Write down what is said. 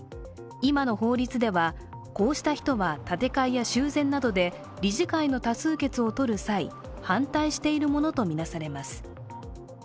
今の法律ではこうした人は建て替えや修繕などで理事会の多数決をとる際、反対しているものとみなされます。